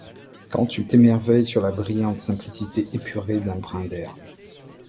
Quand tu t'émerveilles sur la brillante simplicité épurée d'un brin d'herbe.